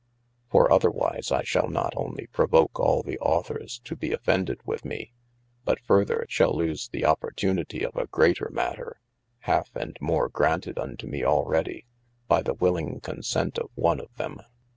For otherwise I shall not onely provoke all the aucthors to be offended with mee, but further shall leese the opertunitie of a greater matter, halfe and more graunted unto mee alreadie, by the willing consent of one of them.